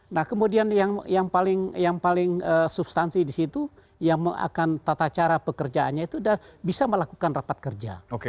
nah kemudian yang paling substansi di situ yang akan tata cara pekerjaannya itu bisa melakukan rapat kerja